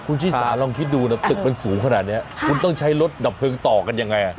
คุณชิสาลองคิดดูนะตึกมันสูงขนาดนี้คุณต้องใช้รถดับเพลิงต่อกันยังไง